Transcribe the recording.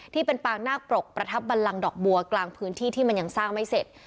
ที่เป็นปางนาคปรกประทับบันลังดอกบัวกลางพื้นที่ที่มันยังสร้างไม่เสร็จ